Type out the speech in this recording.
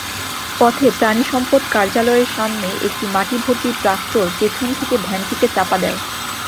পথে প্রাণিসম্পদ কার্যালয়ের সামনে একটি মাটিভর্তি ট্রাক্টর পেছন থেকে ভ্যানটিকে চাপা দেয়।